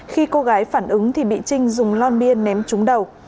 khi cô gái phản ứng thì bị trinh dùng lon bia ném trúng đầu